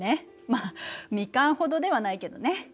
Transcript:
まあミカンほどではないけどね。